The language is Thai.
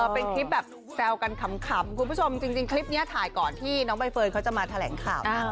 เป็นคลิปแบบแซวกันขำคุณผู้ชมจริงคลิปนี้ถ่ายก่อนที่น้องใบเฟิร์นเขาจะมาแถลงข่าว